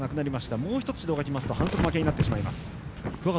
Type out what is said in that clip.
もう１つ指導で反則負けになってしまいます。